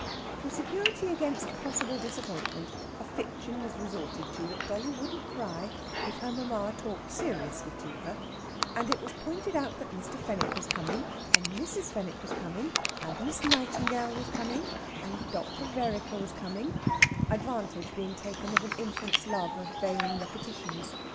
For security against possible disappointment a fiction was resorted to that dolly wouldn't cry if her mamma talked seriously to her, and it was pointed out that Mr. Fenwick was coming, and Mrs. Fenwick was coming, and Miss Nightingale was coming, and Dr. Vereker was coming advantage being taken of an infant's love of vain repetitions.